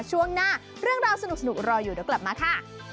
ช่วงหน้าเรื่องราวสนุกรออยู่เดี๋ยวกลับมาค่ะ